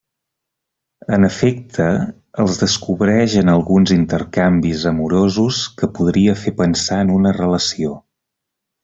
En efecte, els descobreix en alguns intercanvis amorosos que podria fer pensar en una relació.